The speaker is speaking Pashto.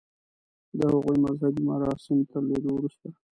د هغوی مذهبي مراسم تر لیدو وروسته.